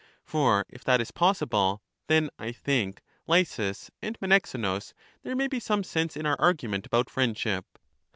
For if that is possible, then I think. Lysis and Menexenus, there may be some sense in our argument about friendship.